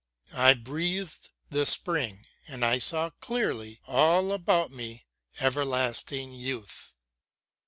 I breathed the spring and I saw clearly all about me everlasting youth.